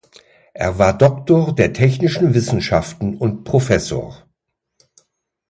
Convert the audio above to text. Er war Doktor der technischen Wissenschaften und Professor.